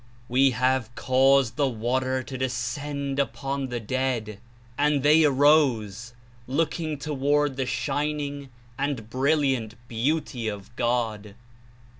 We have caused the water to descend upon the dead, and they arose, looking toward the shining and brilliant Beauty of God.